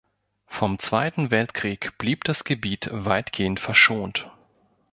Vom Zweiten Weltkrieg blieb das Gebiet weitgehend verschont.